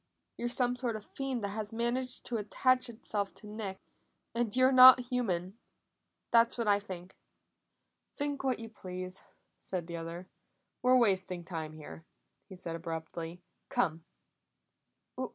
You're some sort of a fiend that has managed to attach itself to Nick, and you're not human. That's what I think!" "Think what you please," said the other. "We're wasting time here," he said abruptly. "Come."